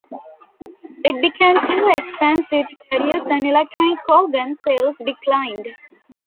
It became too expensive to produce and electronic organ sales declined.